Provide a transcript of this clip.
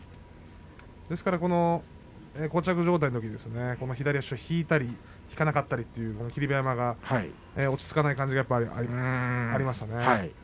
ですからこう着状態のときに左足を引いたり引かなかったりという霧馬山が落ち着かない感じがありましたね。